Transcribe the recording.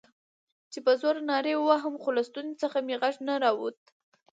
چې په زوره نارې ووهم، خو له ستوني څخه مې غږ نه راووت.